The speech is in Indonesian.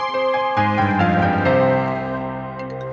kamu mau bersertai